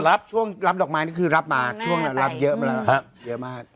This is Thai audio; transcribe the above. เพราะว่าช่วงรับดอกไม้นี่คือรับมาช่วงนั้นรับเยอะมากฮะเยอะมาก